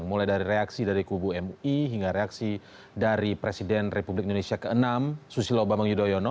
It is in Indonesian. mulai dari reaksi dari kubu mui hingga reaksi dari presiden republik indonesia ke enam susilo bambang yudhoyono